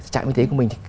trạng y tế của mình